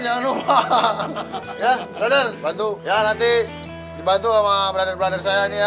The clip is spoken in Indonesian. ya nanti dibantu sama brother brother saya